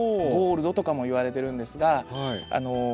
ゴールドとかもいわれてるんですが。